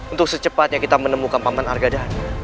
untuk secepatnya kita menemukan paman argada